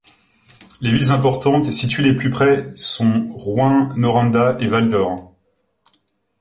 Les villes importantes situées les plus près sont Rouyn-Noranda et Val-d'Or.